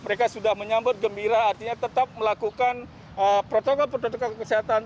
ini membuat gembira artinya tetap melakukan protokol protokol kesehatan